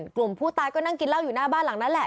กลุ่มผู้ตายก็นั่งกินเหล้าอยู่หน้าบ้านหลังนั้นแหละ